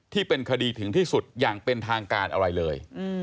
ที่เป็นคดีถึงที่สุดอย่างเป็นทางการอะไรเลย